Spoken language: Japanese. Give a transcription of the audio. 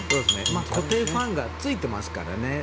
固定ファンがついていますからね。